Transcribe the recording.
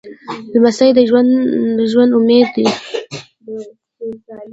لمسی د ژوند امید دی.